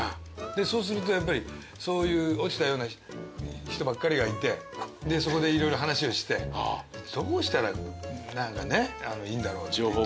でそうするとやっぱりそういう落ちたような人ばっかりがいてでそこで色々話をしてどうしたらいいんだろう。